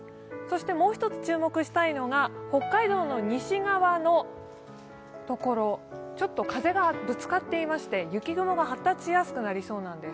もう一つ注目したいのが北海道の西側の所、ちょっと風がぶつかっていまして雪雲が発達しやすくなりそうなんです。